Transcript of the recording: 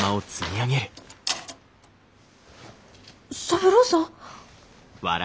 三郎さん？